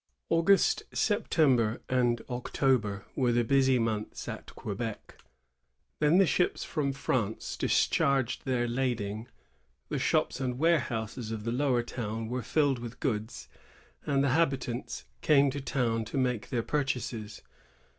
"^ August, September, and October were the busy months at Quebec. Then the ships from France discharged their lading, the shops and warehouses of the Lower Town were filled with goods, and the habitants came to town to make their purchases.